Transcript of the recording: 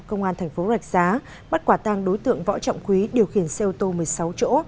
công an thành phố rạch giá bắt quả tang đối tượng võ trọng quý điều khiển xe ô tô một mươi sáu chỗ